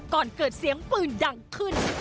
ก่อนเกิดเสียงปืนดังขึ้น